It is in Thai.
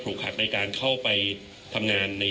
คุณผู้ชมไปฟังผู้ว่ารัฐกาลจังหวัดเชียงรายแถลงตอนนี้ค่ะ